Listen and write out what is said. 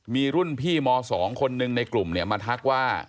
มีรุ่นพี่ม๒คนหนึ่งในกลุ่มเนี่ยมาทักว่า